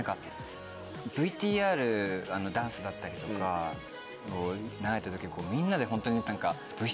ＶＴＲダンスだったりとか流れた時にみんなでホントに何か。